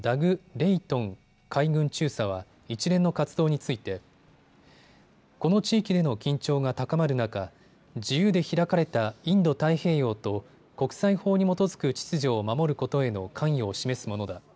レイトン海軍中佐は一連の活動についてこの地域での緊張が高まる中、自由で開かれたインド太平洋と国際法に基づく秩序を守ることへの関与を示すものだ。